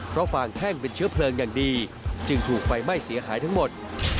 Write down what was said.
เพราะฟางแท่งเป็นเชื้อเพลิงอย่างดีจึงถูกไฟไหม้เสียหายทั้งหมด